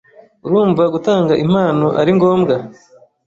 Urumva gutanga impano ari ngombwa?